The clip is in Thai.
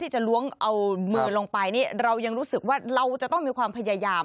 จะล้วงเอามือลงไปนี่เรายังรู้สึกว่าเราจะต้องมีความพยายาม